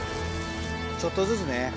ちょっとずつね。